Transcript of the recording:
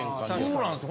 そうなんです。